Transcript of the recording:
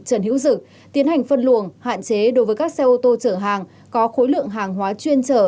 trần hữu dực tiến hành phân luồng hạn chế đối với các xe ô tô chở hàng có khối lượng hàng hóa chuyên trở